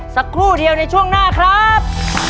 สักครู่เดียวในช่วงหน้าครับ